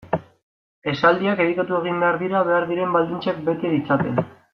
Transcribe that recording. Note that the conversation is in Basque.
Esaldiak editatu egin behar dira behar diren baldintzak bete ditzaten.